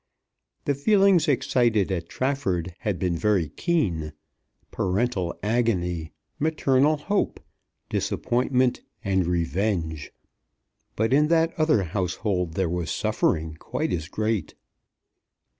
The feelings excited at Trafford had been very keen, parental agony, maternal hope, disappointment, and revenge; but in that other household there was suffering quite as great.